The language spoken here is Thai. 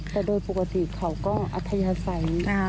แต่โดยปกติเขาก็อัธยาศัย